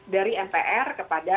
dari mpr kepada